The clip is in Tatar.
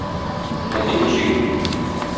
Ләкин ничек итеп?